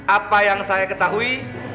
apa yang saya ketahui